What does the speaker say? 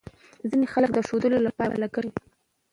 ځینې خلک د ښودلو لپاره لګښت کوي.